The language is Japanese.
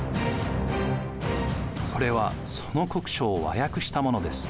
これはその国書を和訳したものです。